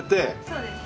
そうです。